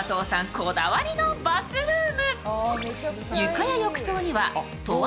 こだわりのバスルーム。